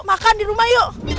makan di rumah yuk